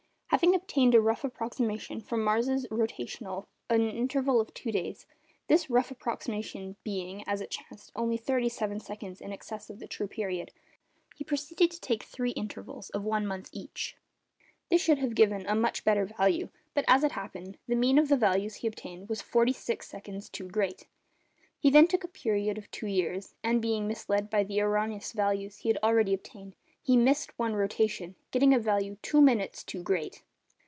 Having obtained a rough approximation from Mars' rotation in an interval of two days—this rough approximation being, as it chanced, only thirty seven seconds in excess of the true period, he proceeded to take three intervals of one month each. This should have given a much better value; but, as it happened, the mean of the values he obtained was forty six seconds too great. He then took a period of two years, and being misled by the erroneous values he had already obtained, he missed one rotation, getting a value two minutes too great.